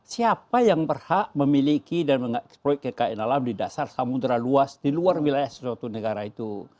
siapa yang berhak memiliki dan mengeksploid kekain alam di dasar samudera luas di luar wilayah suatu negara itu